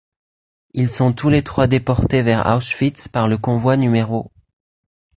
Ils sont tous les trois déportés vers Auschwitz par le Convoi No.